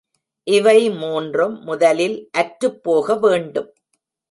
இவை மூன்றும் முதலில் அற்றுப் போக வேண்டும்.